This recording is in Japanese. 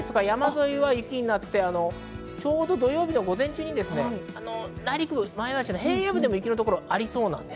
内陸とか山沿いは雪になって、ちょうど土曜日午前中に内陸部、前橋平野部でも雪の所ありそうです。